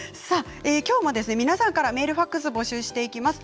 きょうも皆さんからメールファックスを募集していきます。